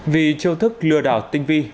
vì châu thức lừa đảo tinh vi